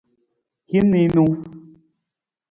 Hin niinu.